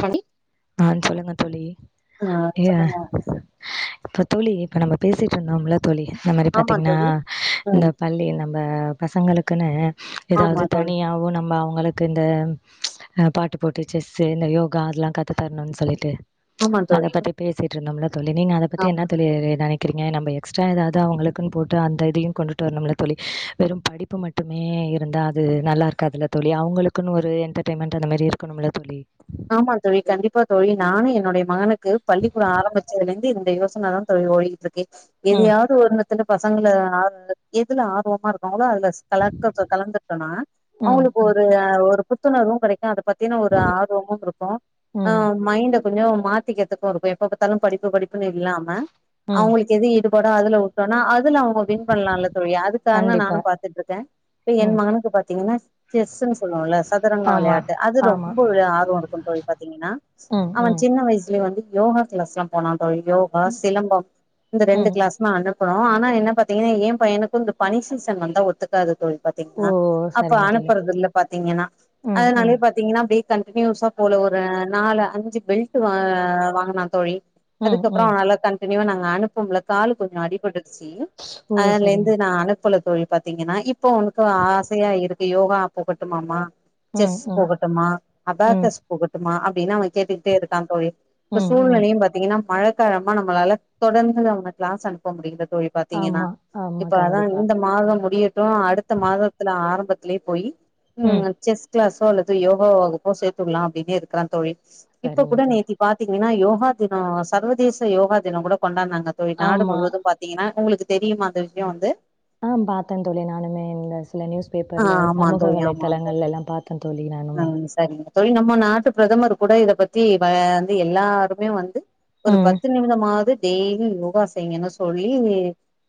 பனி ஆ சொல்லுங்க தோழி ஏ சொல்லுங்க இப்ப தோழி இப்ப நம்ம பேசிட்டு இருந்தோம்ல தோழி இந்த மாரி ஆமா பாத்திங்னா தோழி இந்த ம் பள்ளி நம் ப பசங்களுக்குன்னு எதாவது ஆமா தோழி தனியாவு நம்ம அவங்களுக் கிந்த அ பாட்டு போட்டி செஸ்ஸு இந்த யோகா அதெல்லா கத்து தரணுன் சொல்லிட்டு ஆமா அத தோழி பத்தி பேசிட்ருந்தம்ல தோழி நீங்க அத பத்தி என்ன ஆமா தோழி நெனை க்றிங்க நம்ப எக்ஸ்ட்ரா எதாது அவங்களுக்குன் போட்டு அந்த இதையு கொண்டுட்டு வர்ணுமுல்ல தோழி வெறு படிப்பு மட் டுமே இருந்தா அது நல்லா இருக்காதுல தோழி அவங்களுக்குனு ஒரு என்டர்டெய்ன்மெண்ட் அந்த மாரி இருக்கணும்ல தோழி ஆமா தோழி கண்டிப்பா தோழி நானு என்னுடைய மகனுக்கு பள்ளிக்கூட ஆரம்பிச்சதுல இருந்து இந்த யோசனதா தோழி ஓடிகி ட்ருக்கு ம் எதையாவது ஒரு இத்தல பசங்கள ஆ எதுல ஆர்வமா இருக்காங்களோ அது ல கலக் கலந்துட்டோனா ம் அவங்களுக்கு ம் ஒரு ஒரு புத்துணர்வு கெடைக்கு அத பத்தின ஒரு ஆர்வமு இருக்கு ஆ ம் மைண்டு கொஞ்ச மாத்திக்கறத்துக்கு இருக்கு எப்ப பாத்தாலு படிப்பு படிப்புன் இல்லாம ம் அவங்களுக்கு எது ஈடுபாடோ அதுல உட்டோனா அதுல அவ வின் பண்லால தோழி அதுக்கான கண்டிப்பா நானு பாத்துட்ருக்கே இப்ப என் ம் மகனுக்கு பாத்திங்கன்னா செஸ்ஸுன் சொல்லுவோல சதுரங்க ஆமா விளையாட்டு அது ஆமா ரொம்ப விளை ஆர் வ இருக்கு தோழி பாத்திங்கன்னா ம் அவ ம் சின்ன வயசுலயே வந்து யோகா கிளாஸ்லா போனா தோழி யோ கா ம் சிலம்பம் இந்த ரெண்டு ம் கிளாஸ் ஆ அனுப்புனோ ஆனா என்ன பாத்திங்கன்னா ஏ பையனுக்கு இந்த பனி சீசன் வந்தா ஒத்துக்காது தோழி ஓ பாத்திங்னா அப்ப சரிங்க தோழி அனுப்புறதில்ல பாத்திங்கன்னா ம் ம் அதனாலயே பாத்திங்கன்னா அப்டி கன் னியூசா போல ஒரு நாலு அஞ்சு பெல்ட் வா வாங்குனா தோழி ம் அதுக்கப்புற ம் அவனால கண்டினியூவா நாங்க அனுப்ப முல்ல காலு கொஞ்ச அடிபட்ருச்சி ஓ அதுல சரிங்க இருந்து நா அனுப்புல தோழி பாத்திங்கன்னா இப்ப அவனுக்கு ஆசையா இருக் கு யோகா போகட்டுமா மா ம் செஸ் ம் போகட்டும்மா ம் அபாகஸ் போகட்டுமா அப்டின்னு அவ கேட்டுக்கிட்டே இருக்கா தோழி இப்ப ம் ம் சூழ்நிலையும் பாத்திங்கினா மழ இப்ப நம்மளால தொடர்ந்து நா அவன கிளாஸ் அனுப்ப முடில தோழி பாத்திங்கன்னா ஆமா ஆமா இப்ப அதா கண்டிப்பா இந்த மாத முடியட்டு அடுத் த மாதத்துல ஆரம்பத்துலேயே போயி ம் செஸ் கிளாஸோ அல்லது யோகா வகு ப்போ சேத்துடலா அப்டின்னே இருக்கறா தோழி இப்ப சரிங்க கூட தோழி நேத்தி பாத்திங்கன்னா யோகா தின சர்வதேச யோகா தினங்கூட கொண்டாடுனாங்க தோழி நாடு ஆமா முழுவதும் பாத் திங்கன்னா உங்களுக்கு தெரியுமா அந்த விஷய வந்து ஆ பாத்த தோழி நானுமே இந்த சில நியூஸ் ஆ பேப்பர்ல ஆமா சமூக தோழி ஆமா தோழி வலைதளங்கள்ல எல்லா பாத்த தோழி ஆ நானுமே சரிங்க தோழி நம்ம நாட்டு பிரதமர் கூட இத பத்தி வந்து எல்லாருமே வந்து ஒரு ம் பத்து நிமிடமாவது டெய்லி யோகா செய்ங்கனு சொல்லி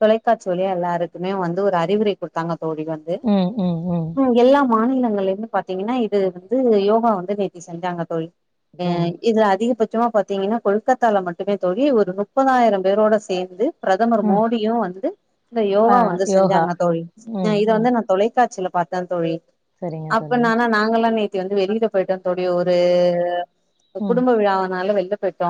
தொலைக்காட்சி வழியா எல்லாருக்குமே வந்து ஒரு அறிவுரை குடுத்தாங்க தோழி வந் து ம் ம் ம் எல்லா மாநிலங்கல்லயு பாத்திங்கன்னா இது இது யோகா வந்து நேத்தி செஞ்சாங்க தோழி அ ம் இதுல அதிகபட் சமா பாத்திங்கன்னா கொல்கத்தால மட்டுமே தோழி ஒரு முப்பதாயிர பேரோட சேந்து பிரதமர் ம் மோடியு வந்து இந்த ஆ யோகா வந்து யோகா செஞ்சாங்க தோழி ம் இத ம் வந்து நா தொலைக்காட்சில பாத் த தோழி சரிங்க தோழி அப்பனா நாங்கல்லா நேத்தி வந்து வெளியில போயிட்டோ தோழி ஒரு ம் குடும்ப விழாவனால வெள்ல போயிட்டோ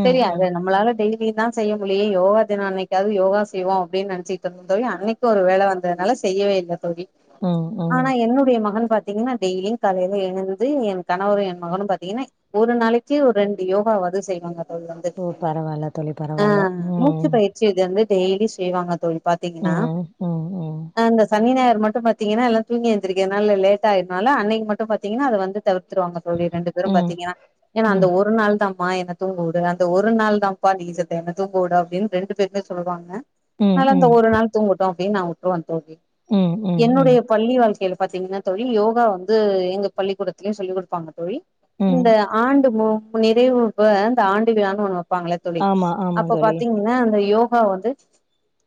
ம் செரி ம் அது நம்மளால டெய் விலா செய்ய முடிலயே யோகா தின அன்னைக்காவது யோகா செய்வோ அப்டின் நெனைச்சிக்கிட்டு இருந்தே தோழி அன்னைக்கு ஒரு வேல வந்ததுனால செய்யவே இல்ல தோழி ம் ம் ஆனா என்னுடைய மகன் பாத்தீங்கன்னா டெய்லி காலைல எழுந்து என் கணவரு என் மகனு பாத்தீங்கன்னா ஒரு நாளைக்கு ஒரு ரெண்டு யோகாவாது செய்வாங்க ஓ பரவால்ல தோழி ஆ பரவால்ல மூச்சி ம் பயிற்சி ச்சு இது வந்து டெய்லி செய்வாங்க தோழி பா்த்தீங்கன்னா ம் ம் ம் அ சனி ஞாயர் மட்டு பாத்தீங்கன்னா எல்லா தூங்கி எந்திருக்னால லேட் ஆயினால அன்னைக்கு மட்டு பாத்திங்னா அத வந்து தவிர்த்துவாங்க தோழி ரெண்டு பேரு ம் பாத்தீங்கன்னா ஏன்னா அந்த ம் ஒரு நாள்தா மா என்ன தூங்க உடு அந்த ஒரு நாள் தான்ப்பா நீஜத்தை என்ன தூங்க விடு அப்டின்னு ரெண்டு பேருமே சொல்லுவாங்க ம் அதனால அந்த ம் ஒரு நாள் தூங்கட்டு அப்டின்னு நா உட்டுருவே தோழி ம் ம் ம் என்னுடைய பள்ளி வாழ்க்கைல பாத்தீங்கன்னா தோழி யோகா வந்து எங்க பள்ளிக்கூடத்லயே சொல்லி குடுப்பாங்க தோழி ம் இந்த ஆண்டு நிறைவு அப்ப இந்த ஆண்டு விழானு ஒன்னு வப்பாங்கள தோழி ஆமா ஆமா அப்ப தோழி பாத்தீங்கன்னா அந்த யோகா வந்து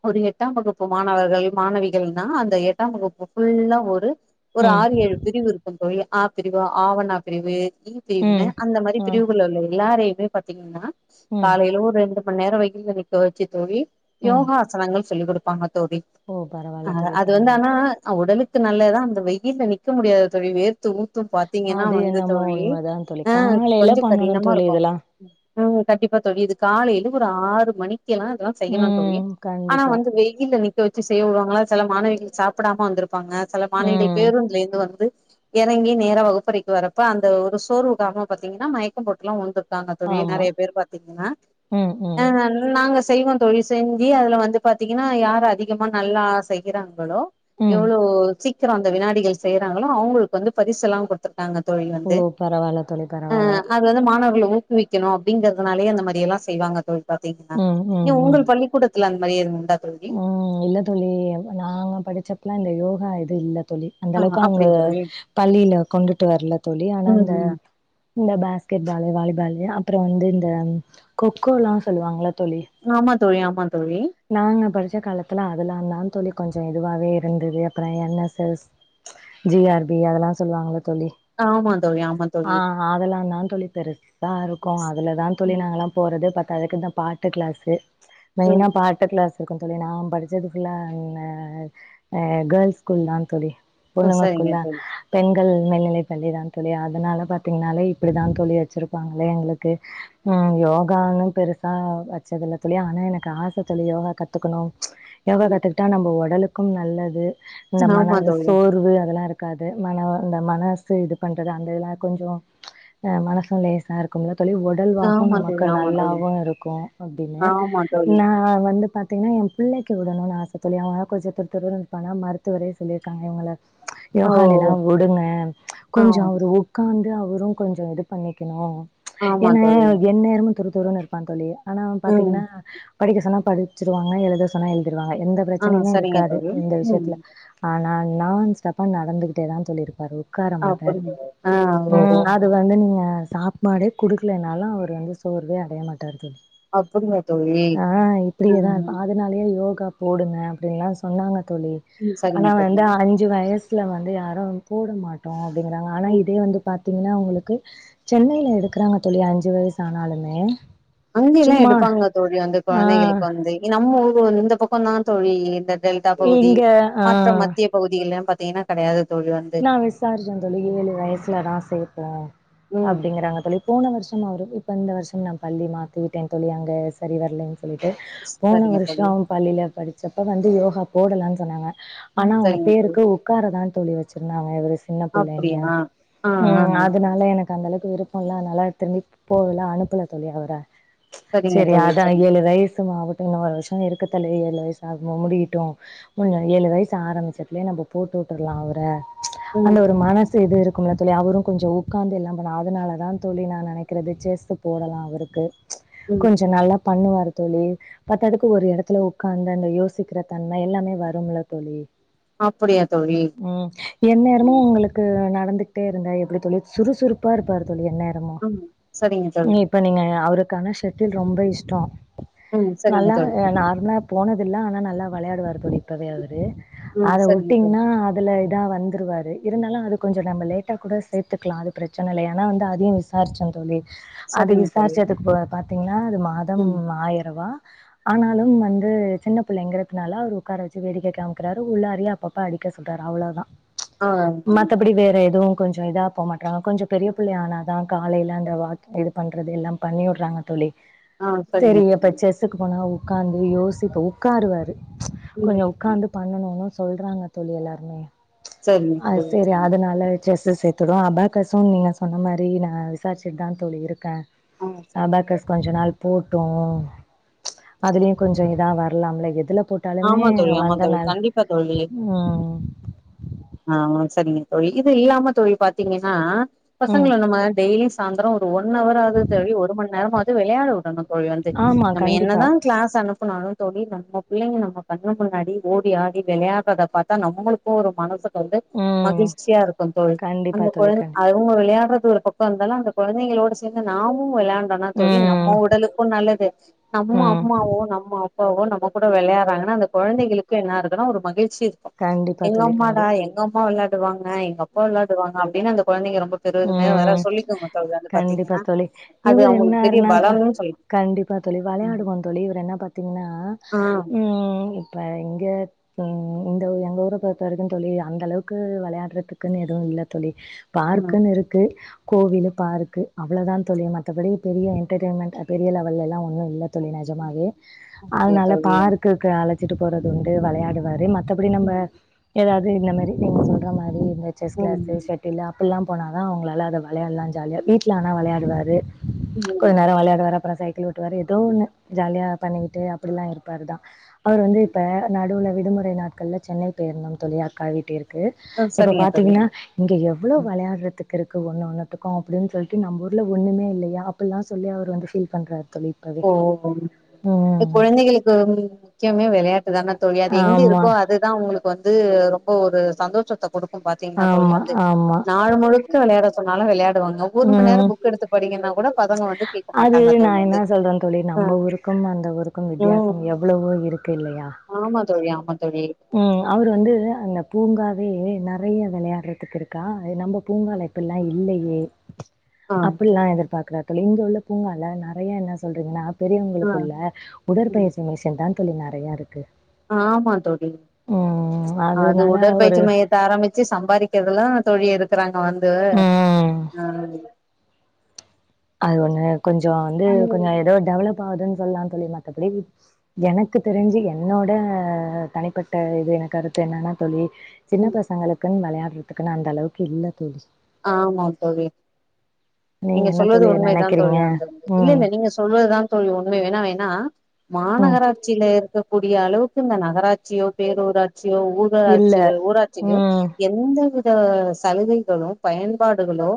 ஒரு எட்டாம் வகுப்பு மாணவர்கள் மாணவிகள்னா அந்த எட்டாம் வகுப்பு ஃபுல்லா ஒரு ஒரு ம் ஆறு ஏழு பிரிவு இருக்கு தோழி ஆ பிரிவு ஆவணா பிரிவு இ பிரிவுனு ம் அந்த மாரி ஆ பிரிவுகள உள்ள எல்லாரையுமே பாத்தீங்னா ம் காலைல ஒரு ரெண்டு மண்நேர வெயில்ல நிக்க வச்சு தோழி ம் யோகா ஆசனங்கள் சொல்லிக் குடுப்பாங்க தோழி ஓ அ பரவால்ல தோழி அது வந்து பரவால்ல ஆனா உடலுக்கு நல்லதா அந்த வெயிலுக்கு நிக்க முடியாத தோழி வேர்த்து ஊத் து பாத்தீங்கன்னா அது வந்து என்னமோ தோழி உண்மதா தோழி ஆ காலையில கொஞ்ச பண்ணணு கடினமா தோழி இருக்கு இதெல்லா ம் கண்டிப்பா தோழி இது காலைல ஒரு ஆறு மணிக்கெல்லா இதல்லா செய்யனு தோழி ம் ஆனா கண்டிப்பா வந்து வெயில்ல நிக்க வச்சு செய்ய வுடுவாங்களா செல மாணவிகள் சாப்புடாம வந்திருப்பாங்க செல மாணவிகள் ம் பேருந்துல இருந்து வந்து எறங்கி நேரா வகுப்பறைக்கு வரப்ப அந்த ஒரு சோர்வு காரமா பாத்தீங்கன்னா மயக்க போட்டுல்லா உழுந்து இருக்காங்க தோழி ஆமா நெறைய பேர் பாத்தீங்கன்னா ம் ம் நாங்க செய்வோ தோழி செஞ்சி அதுல வந்து பாத்தீங்கன்னா யார் அதிகமா நல்லா செய்யறாங்களோ ம் எவ்ளோ சீக்கிர அந்த வினாடிகள் செய்யறாங்களோ அவுங்களுக்கு வந்து பரிசல்லா குடுத்துருக் காங்க தோழி ஓ வந்து பரவால்ல தோழி பரவால்ல வந்து மாணவர்கள ஊக்குவிக்கணு அப்டிங்கிறதுனாலயே அந்த மாரி எல்லா செய்வங்க தோழி பாத்தீங்னா ம் இ ம் ம் உங்கள் பள்ளிக்கூடத்துல அந்த மாரி எது உண்டா தோழி ம் இல்ல தோழி நாங்க படிச்சப்பலா இந்த யோகா இது இல்ல தோழி அந்த ஆ அளவுக்கு அவங்க அப்டியா தோழி பள்ளில கொண்டுட்டு வர்ல தோழி ஆனா ம் இந்த ம் இந்த பேஸ்கெட்பாலு வாலிபாலு அப்ற வந்து இந்த கொக்கோல்லா சொல்லுவாங்ளா தோழி ஆமா தோழி ஆமா தோழி நாங்க படிச்ச காலத்துல அதுலாந்தா தோழி கொஞ்ச இதுவாவே இருந்தது அப்ற N S S G R P அதெல்லா சொல்லுவாங்கள தோழி ஆமா தோழி ஆமா ஆ தோழி அதெல்லாதா தோழி பெருசா இருக்கு அதுலதா தோழி ம் நாங்கல்லா போறது பத்தாதக்கு இந்த பாட்டு க்ளாஸு மெயினா பாட் டு க்ளாஸ் இருக்கு தோழி நா படிச்சது ஃபுல்ல இங்க அ கேர்ள்ஸ் ஸ்கூல்தா தோழி ம் சரிங்க பொண்ணுகக்குள்ள தோழி பெண்கள் மேல்நிலை பள்ளிதா தோழி அதனால பாத்தீங்கனாலே இப்டிதா தோழி வச்சிருப்பாங்களே எங்ளுக்கு ம் யோகான்னு பெருசா வச்சதில்ல தோழி ஆனா எனக்கு ஆச தோழி யோகா கத்துக்கணு யோகா கத்துக்கிட்டா நம்ம ஒடலுக்கும் நல்லது இந்த ஆமா மனது தோழி சோர்வு அதெல்லா இருக் காது மன அந்த மனசு இது பண்றது அந்த இதல்லா கொஞ்ச மனசு லோசா இருக்கும்ல்ல தோழி ஒ உடல்வாகு ஆமா நமக்கு தோழி ஆமா தோழி நல்லாவு இருக்கு அப்டின்னு ஆமா தோழி நா ஆ வந்து பார்த்திங்னா எம் பிள்ளைக்கு விடணுனு ஆச தோழி அவ தா கொஞ்ச துரு துரு இருப்பானா மருத்துவரே சொல்லிருக்காங்க இவங்கள [unintelligible] ஓ யோகாலலா வுடுங்க கொஞ்ச ஆமா அவரு உக்காந்து அவரு கொஞ்ச இது பண்ணிக்கணு ஆமா ஏன்னா தோழி என் நேரமு துருதுருன் இருப்பா தோழி ஆனா ம் பாத்தீங்ன்னா படிக்க சொன்னா படிச்சிருவாங்க எழுத சொன்னா எழுதிருவாங்க எந்த ஆ பிரச்சனையுமே சரிங்க இருக்காது தோழி இந்த ம் விஷயத்துல ஆனா நான்ஸ்டாப்பா நடந்துகிட்டேதா தோழி இருப்பாரு உக்கார மாட்டாரு அப்டிங்க ஆ ஓஹோ அது வந்து நீங்க சாப்பாடே குடுக்கலனாலு அவர் வந்து சோர்வே அடைய மாட்டார் தோ அப்படியா தோழி ம் அதுனாலயே யோகா போடுங்க அப்டின்னுல்லா சொன்னாங்க தோழி ஆனா சரிங்க தோழி வந்து அ ஞ்சு வயசுல வந்து யாரும் போட மாட்டோ அப்டிங்றாங்க ஆனா இதே வந்து பாத் த்தீங்னா உங்களுக்கு சென்னைல எடுக்கறாங்க தோழி அஞ்சு வயசு ஆனாலுமே அங்கலா சும்மா எடுப்பாங்ளா தோழி அந்த ஆ கொழந்தைகளுக்கு வந்து நம்ம ஊரு வந்து இந்த பக்க தா தோழி இந்த டெல்டா பகுதி இங்க ஆ மற்ற மத்திய பகுதிகள்லா பாத்தீங்ன்னா கெடையாது தோழி வ நா விசாரிச்சே தோழி ஏழு வயசுலதா சேப்போ ம் அப்டிங்கறாங்க தோழி போன வருஷ அவரு இப்போ இந்த வருஷ நா பள்ளி மாத்தி விட்டேன் தோழி அங்க சரி வரல சொல்லிட்டு போன சரிங்க வருஷோ தோழி அவ பள்ளில படிச்சப்ப வந்து யோகா போடலான் சொன்னாங்க ஆனா ம் அவுங்க சரிங்க தோழி பேருக்கு உக்கார தா தோழி வச்சிருந்தாங்க இவ சின்ன பிள்ளைன்னு அப்டியா ஆ ஆ ஆ ம் அதனால என க்கு அந்த அளவுக்கு விருப்ப இல்ல அதனால திரும்பி போகல அனுப்புல தோழி அவர சரிங்க சரி தோழி அதா சரிங்க ஏழு வயசு ஆகட்டு இன்னு ஒரு வருஷ இருக்கு தோழி ஏழு வயசு ஆது முடியட்டு மு ஏழு வயசு ஆரம்பிச்சட்டுலயே நம்ம போட்டுட்ர்லா அவர ம் அந்த ஒரு மன ம் ச இது இருக்கும்ல தோழி அவரு கொஞ்ச உக்காந்து எல்லா பண்ண அதனால தா தோழி நா நெனைக்கிறது செஸ்சு போடலா அவுருக்கு ம் ம் கொஞ்ச ம் நல்லா பண்ணுவாரு தோழி பத்தாதுக்கு ஒரு எடத்துல உக்காந்து அந்த யோசிக்கிற தன்மை எல்லாமே வரும்ல தோழி அப்படியா தோழி ம் எந்நேரமு ம் உங்களுக்கு நடந்துகிட்டே இருந்தா எப்டி தோழி சுறுசுறுப்பா இருப்பாரு தோழி எந்நே ரமு ம் சரிங்க தோழி இப்ப நீங்க அவருக்கு ஆனா ஷட்டில் ரொம்ப இஷ்டோ ம் சரிங்க நல்லா தோழி நார்மலா போனதில்ல ஆனா நல்லா வெளையாடு வாரு இப்பவே அவரு ம் அத சரிங்க தோழி வுட்டீங்னா அதுல இதா வந் துருவாரு இருந்தாலு அது கொஞ்ச நம்ம லேட்டா கூட சேத்துக்லா அது ப்ரச்சன இல்ல ஏனா வந்து அதையு விசாரிச்சே தோழி அது சரிங்க தோழி விசாரிச்சதுக்கு பா பாத்தீங்னா அது மாதம் ம் ஆயர்வா ஆனாலும் வந்து சின்ன பிள்ளைங்கறதுனால அவர் உக்கார வச்சு வேடிக்கை காம்க்கறாரு உள்ளாரயே அப்பப்ப அடிக்க சொல்றாரு அவளோ தா ஆ மத்த படி வேற எதுவு கொஞ்ச இதா போ மாட்றாங்க கொஞ்ச பெரிய பிள்ளை ஆனா தா காலைல அந்த வா இது பண்றது எல்லா பண்ணி வுட்றாங்க தோழி ஆ சரிங்க சரி தோழி இப்ப செஸ்க்கு போனா உக்காந்து யோசி இப்போ உக்காருவாரு ம் கொஞ்ச உக்காந்து பண்ணணுனு சொல்றாங்க தோழி எல்லாருமே சரிங்க அது தோழி சரி சரிங்க அதனால செஸ்சு சேத்துடுவோ அபேக்கஸ்சு நீங்க சொன்ன மாரி நா விசாரிச்சுட்டு தா தோழி இருக்கே ஆ சரிங்க அபேக்கஸ் கொஞ்ச நாள் போட்டு அதுலயு கொஞ்ச இதா வரலாம்ல எதுல போ ட்டாலுமே ஆமா தோழி ஆமா வந்த தோழி நாள் கண்டிப்பா தோழி ம் ஆ சரிங்க தோழி இது இல்லாம தோழி பாத்தீங்கன்னா ம் பசங்கள நம்ம டெய்லியு சாந்ரோ ஒன் அவராவது தோழி ஒரு மண் நேரமாது வெளையாட விடணு தோழி வந்து ஆமா நம்ம கண்டிப்பா என்னதா கிளாஸ் அனுப்பனாலு தோழி நம்மோ பிள்ளைங்க நம்ம கண்ணு முன்னாடி ஓடி ஆடி விளையாடுறத பாத்தா நம்மளுக்கு ஒரு மனசு வந்து ம் மகிழ்ச்சியா இருக்குந்தோழ் கண்டிப்பா அந்த தோழி கொழந்த கண் அழு அவுங்க விளையாடுறது ஒரு பக்கோ இருந்தாலு அந்த கொழந்தைகளோடு சேர்ந்து நாமும் விளையாண் டானா தோழி ம் நம்ம உடலுக்கு நல்லது நம்ம ம் அம்மாவோ நம்ம அப்பாவோ நம்ம கூட வெளையாடுறாங்கன்னா அந்த கொழந்தைகளுக்கு என்னாயிருதுனா ஒரு மகிழ்ச்சி இருக்கு கண்டிப்பா எங்க தோழி கண்டி அம்மாடா எங்க அம்மா வெளாடு டுவாங்க எங்க அப்பா வெளாடுவாங்க அப்டின்னு அந்த கொழந்தைங்க ரொம்ப பெருமையா வேற ம் சொல்லிக்குங்க தோழி அது கண்டிப்பா பாத்தீங்ன்னா தோழி. அது இவரு அவங்களுக்கு பெரிய என்னாருன்னா பா பலனு சொல்லா கண்டிப்பா தோழி வெளையாடுவோ தோழி இவரு என்ன பாத்தீங்ன்னா ஆ ம் இப்ப இங்க ம் இந்த எங்க ஊர பொறுத்த வரைக்கு தோழி அந்த அளவுக்கு வெளயாடுறதுக்குன்னு எடோ இல்ல தோழி ம் பார்க்குன்னு இருக்கு கோவிலு பார்கு அவ்ளதா தோழி மத்த படி பெரிய என்டர்டெய்ன்மெண்ட் பெரிய லெவல்லலா ஒன்னு இல்ல தோழி நெஜமாவே அப்படியா அதனால தோழி பார்க்குக்கு அழச்சிட்டு போறது உண்டு வெளையாடுவாரு மத் மத்த படி நம்ம ம் ஏதாவ்து இந்த மாரி நீங்க சொல்ற மாரி இந்த செஸ் கிளாஸ்ஸு ம் செட்டில் அப்பில்லா போனாதா அவங்களால அத வெளையாட்லா ஜாலியா வீட்ல ஆனா வெளையாடுவாரு கொஞ்ச ம் நேரோ வெளையாடுவாரு அப்புறோ சைக்கிள் ஓட்டுவாரு ஏதோ ஒன்னு ஜாலியா பண்ணிக்கிட்டு அப் அப்டிலா இருப்பாரு தா அவர் வந்து இப்ப நடுவுல விடுமுறை நாட்கள்ள சென்னை போய் இருந்தோம் தோழி அக் அக்கா வீட்டிற்கு ஆ இப்ப சரிங்க தோழி பாத்தீங்ன்னா இங்க எவ்ளவ் வெளையாட் றதுக்கு இருக்கு ஒன் ஒன்னத்துக்கு அப்டின் சொல்ட்டு நம்ம ஊர்ல ஒன்னுமே இல்லையா அப்பில்லா சொல்லி அவர் வந்து பீல் பண்றாரு தோழி இப்போவே ஓஹம் ம் கொழந்தைகளுக்கு முக்கியமே விளயாட்டுதானே தோழி அது எங்க இருக்கோ ஆமாம் அது அதா அவங்ளுக்கு வந்து ரொம்ப ஒரு சந்தோஷத்த குடுக்கும் பாத்தீங்கன்னா தோழி ஆமாம் வந்து ஆமாம் நா நாள் முழுக்க விளயாட சொன்னாலு விளயாடுவாங்க ஒரு மண் நேரோ ம் புக் எடுத்து படிங்கன்னா கூட பதங்க வந்து கேக்க அது மாட்டாங்க தோழி நான் என்ன வந்து சொல்றேன் தோழி நம்ம ஆ ஊருக்கும் அந்த ஊருக்கும் ம் வித்தியாசம் எவ்ளோவோ இருக்கு இல்லையா ஆமா தோழி ஆமா தோழி ம் அவர் வந்து அந்த பூங்காவே நெறைய வெளயாட்றதுக்கு இருக்கா எ நம்ம பூங்காலே இப்பில்லா இல்லயே ஆ அப்பில்லா எதிர்பாக்றார் தோழி இங்க உள்ள பூங்கால நெறைய என்ன சொல்றீங்ன்னா ஆ பெரியவங்களுக்குள்ள ம் உடற்பயிற்சி மிஷன் தான் தோழி நெறையா இருக்கு ஆமா தோழி ம் அது அதனால ஒரு உடற்பயிற்சி மையத் துல ஆரம்பிச்சு சம்பாதுக்கிறதுலா தோழி இருக்றாங்க வந்து ம். ஆ அது ஒன்னு கொஞ்சோ வந்து கொஞ்சோ ஏதோ டெவலப் ஆகுதுன் சொல்லா தோழி மத்தபடி எனக்கு தெரிஞ்சு என்னோட தனிப்பட்ட இது என கருத்து என்னன்னா தோழி சின்ன ம். பசங்களுக்குன் வெளயாட்றதுக்குன் அந்த அளவுக்கு இல்ல தோழி ஆமா தோழி நீங்க என்ன சொல்வது தோழி உண்மைதான் தோழி நெனைக்கிறீங்க? [unintelligible] இல்ல ம். இல்ல நீங்க சொல்வதுதான் தோழி ஒன்னு வேணா வேணா ம். மாநகராட் சியில இருக்கக்கூடிய அளவுக்கு இந்த நகராட்சியோ பேரூராட்சியோ ஊர் இல்ல. ஊராட்சியோ ஊராட்சியில்யோ ம். எந் எந்த வித சலுகைகளு பயன்பாடுகளோ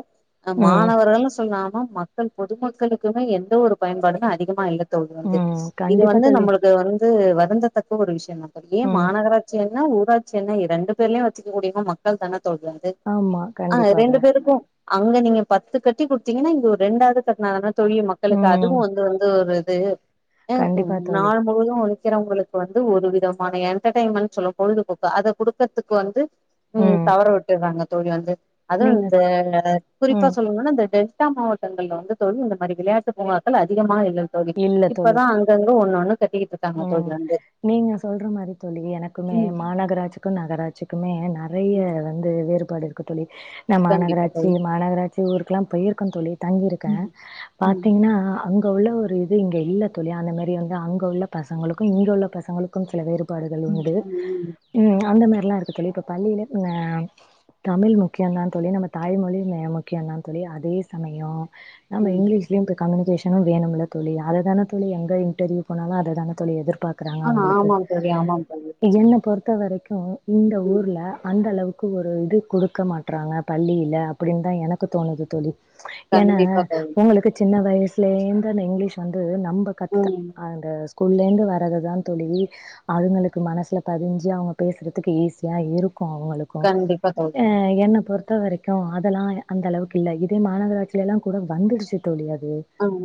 அ ம். மாணவரள்னு சொல்லாம மக் கள் பொதுமக்களுக்குமே எந்த ஒரு பயன்பாடுன்னா அதிகமா இல்ல தோழி வந்து ம். இது கண்டிப்பா வந்து தோழி. நம்ளுக்கு வந் து வருந்தத்தக்க ஒரு விஷ்யந்தா தோழி ஏ ம். மாநகர ஆட்சி என்ன ஊராட்சி என்ன இரண்டு பேர்லேயு வச்சுக்கூடியவங்க மக்கள் தான தோழி வந்து ஆமா ஆ கண்டிப்பாக. ரெண்டு பேருக்கும் அங்க நீங்க பத்து கட்டி குடுத்தீங்கன்னா இங்க ஒரு ரெண்டாவது கட்னா தான தோழி மக்களுக்கு அதுவு ம். வந்து வந்து ஒரு இது ஆ கண்டிப்பா தோழி. நாள் முழுவதும் வ க்கிறவங்களுக்கு வந்து ஒரு விதமான என்டர்டெயின்மென்ட் சொல்ல பொழுதுபோக்கு அத குடுக்கறதுக்கு வந்து ம் தவற விட்டுர்றாங்க தோழி வந்து அதுவு நீங்க இந்த ஸ் குறிப்பா ம். சொல்லுங்கன்னா இந்த டெல்டா மாவட் டங்கள்ல வந்து தோழி இந்த மாரி விளையாட்டு பூங்காக்கள் அதிகமா இல்ல தோழி இல்ல தோழி. இப்பதா அங் க்ங்க ஒன்னு ஒன்னு கட்டிக்கிட் ம் நீங்க சொல்ற மாரி தோழி எனக்குமே ம் மாநகராட்சிக்கும் நகராட்சிக்குமே நா நெறைய ம் வந்து வேறுபாடு இருக்கு தோழி நா கண்டிப்பா மாநகராட்சி தோழி மாநகராட்சி ஊருக்கெல்லா போயிருக்க தோழி தங்கிருக்க ம் ம் பாத்தீங்கன்னா அங் க உள்ள ஒரு இது இங்க உள்ள தோழி அந்த மாரி வந்து அங்க உள்ள பசங்களுக்கு இங்க உள்ள பசங்களுக் கும் சில வேறுபாடுகள் ம் உண்டு ம் ம் அந்த மாரி எல்லா இருக்கு தோழி இப்ப பள்ளியில இங்க தமிழ் முக்கியந்தா தோழி நம்ம தாய்மொழிலே முக்கியம்தா தோழி அதே சமயம் நம்ம ம் இங்கிலீஷ்லயும் இப்ப கம்யூகேஷனும் வேணுமுல்ல தோழி அத தான தோழி எங்க இன்டர்வியூ போனாலு அத தான தோழி எதிர்பார்க்குறாங்க ஆ அவுங்களுக்கு ஆமாம் தோழி ஆமாம் தோழி என்ன பொறுத் த வரைக்கு இந்த ம் ஊர்ல அந்த அளவுக் கு ஒரு இது கொடுக்க மாட்டறாங்க பள்ளியில அப்டினு தா எனக்கு தோணுது தோழி ஏன்னா கண்டிப்பா தோழி உங்களுக்கு சின்ன வயசுலேருந்தே அந்த இங்கிலீஷ் வந்து நம்ப கத்துக்க ம் அந்த ஸ்கூல்லேருந்து வர்றதுதா தோழி அதுங்களுக்கு மனசுல பதிஞ்சி அவுங்க பேசுறதுக்கு ஈஸியா இருக்கும் அவுங்களுக் கு கண்டிப்பா ஆ தோழி என்ன பொறுத்த வரைக் கு அதெல்லா அந்தளவுக்கு இல்ல இதே மாநகராட்சிலலா கூட வந்துடுச்சு தோழி அது ஆமா